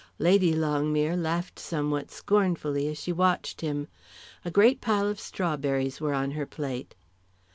Lady Longmere laughed somewhat scornfully as she watched him. A great pile of strawberries were on her plate.